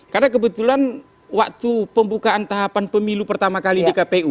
karena kebetulan waktu pembukaan tahapan pemilu pertama kali di kpu